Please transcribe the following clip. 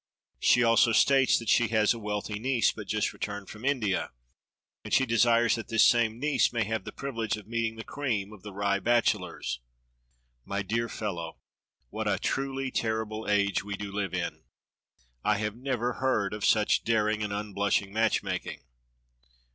She also states that she has a wealthy niece but just returned from India, and she desires that this same niece may have the privilege of meeting the cream of the Rye bachelors. My dear fellow, what a truly terrible age we do live in! I have never heard of such daring and unblushing matchmaking.